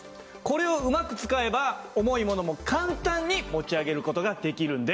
これをうまく使えば重いものも簡単に持ち上げる事ができるんです。